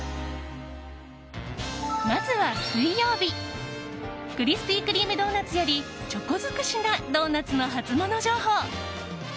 まずは、水曜日クリスピー・クリーム・ドーナツよりチョコづくしなドーナツのハツモノ情報。